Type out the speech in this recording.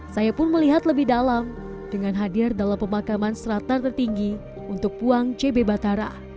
saya pun melihat lebih dalam dengan hadir dalam pemakaman sratar tertinggi untuk puang cb batara